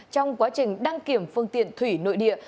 trong quá trình đăng kiểm phương tiện thủy nội địa